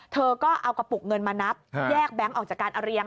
เธอก็เอากระปุกเงินมานับแยกแบงค์ออกจากการเอาเรียง